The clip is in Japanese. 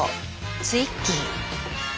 ツイッギー。